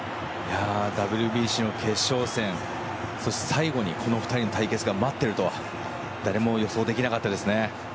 ＷＢＣの決勝戦そして最後にこの２人の対決が待っているとは誰も予想できなかったですね。